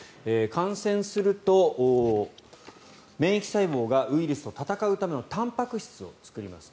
感染すると免疫細胞がウイルスと闘うためのたんぱく質を作ります。